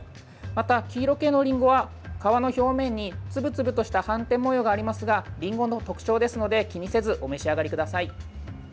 また、黄色系のりんごは皮の表面につぶつぶとした斑点模様がありますがりんごの特徴ですので気にせずお召し上がりください。